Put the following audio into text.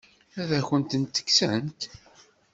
Ad akent-tent-kksent?